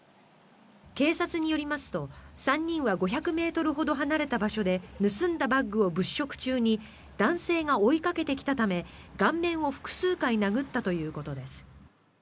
警察によりますと３人は５００ｍほど離れた場所で盗んだバッグを物色中に男性が追いかけてきたため顔面を複数回殴ったということです。